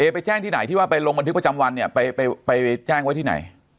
ไปแจ้งที่น่ะในที่ลงบันทึกประจำวันไปแจ้งไว้ที่ไหน